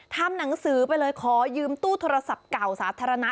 ทำหนังสือไปเลยขอยืมตู้โทรศัพท์เก่าสาธารณะ